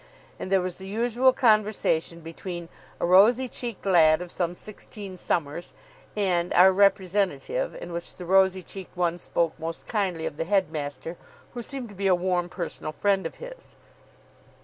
And there was the usual conversation between "a rosy cheeked lad of some sixteen summers" and "our representative," in which the rosy cheeked one spoke most kindly of the head master, who seemed to be a warm personal friend of his.